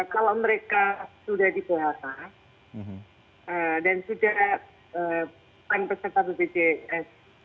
kalau mereka sudah di phk